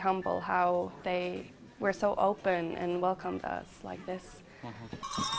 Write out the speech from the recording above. saya merasa sangat bangga karena mereka sangat terbuka dan mengucapkan kebaikan kepada kami